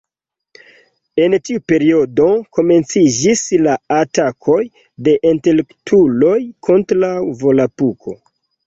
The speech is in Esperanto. En tiu periodo, komenciĝis la atakoj de intelektuloj kontraŭ Volapuko.